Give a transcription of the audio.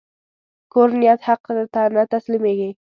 کوږ نیت حق ته نه تسلیمېږي